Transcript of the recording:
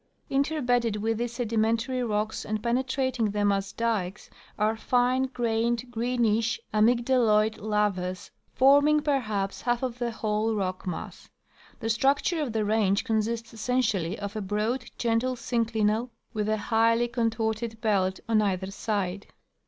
'' Interbedded with these sedimentary rocks and penetrating them as dikes are fine grained, greenish amygdaloid lavas form ing perhaps half of the whole rock mass. The structure of the range consists essentially of a broad, gentle synclinal, with a highly contorted belt on either side.